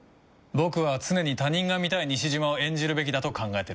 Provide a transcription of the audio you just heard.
僕は常に他人が見たい西島を演じるべきだと考えてるんだ。